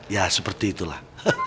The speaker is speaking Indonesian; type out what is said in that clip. ya seperti itulah